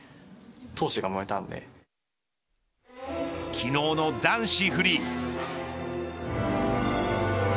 昨日の男子フリー。